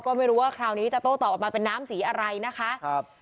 ก็ไม่รู้ว่าคราวนี้จะโต้ตอบออกมาเป็นน้ำสีอะไรนะคะครับ